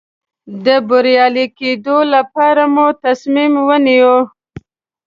د بریالي کېدو لپاره مې تصمیم ونیو.